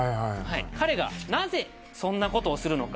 彼がなぜそんなことをするのか。